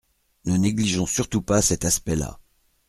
Ne négligeons surtout pas cet aspect-là.